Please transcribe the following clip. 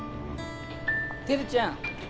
輝ちゃん！